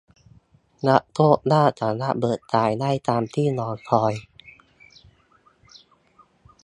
รับโชคลาภ สามารถเบิกจ่ายได้ตามที่รอคอย